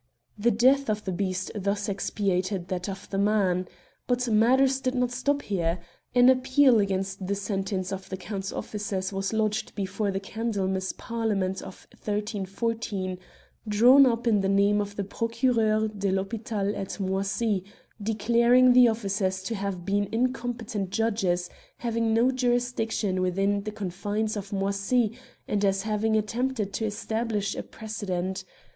The death of the beast thus expiated that of the man. But matters did not stop here. An appeal against the sentence of the Count's officers was lodged be fore the Candlemas parliament of 1 3 1 4^ drawn up in the name of the Procureur de THdpital at Moisy, declaring the officers to have been incompetent judges, having no jurisdiction within the confines of Moisy, and as having attempted to establish a pre cedent.